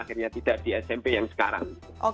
akhirnya tidak di smp yang sekarang